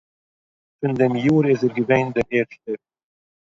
פון דעם יאָר איז ער געווען דער ערשטער